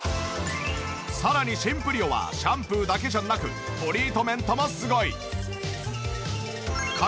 さらにシンプリオはシャンプーだけじゃなくトリートメントもすごい！